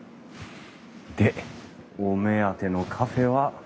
でお目当てのカフェは。